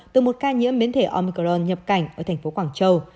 từ một ca nhiễm biến thể omicron nhập cảnh ở thành phố quảng châu